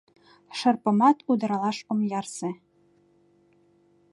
Шырпымат удыралаш ом ярсе.